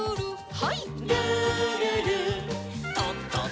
はい。